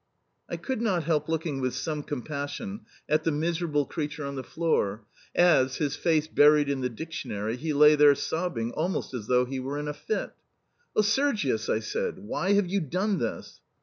I could not help looking with some compassion at the miserable creature on the floor as, his face buried in the dictionary, he lay there sobbing almost as though he were in a fit. "Oh, Sergius!" I said. "Why have you done this?"